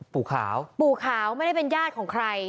ปู่ขาวปู่ขาวไม่ได้เป็นญาติของใคร